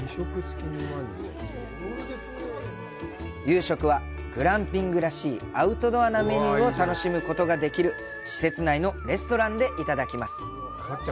夕食は、グランピングらしいアウトドアなメニューを楽しむことができる施設内のレストランでいただきます！